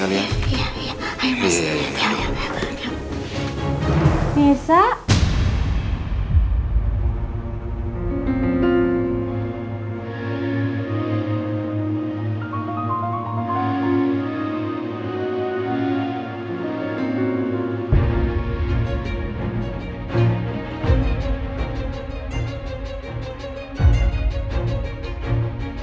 ada siapa siapa biasanya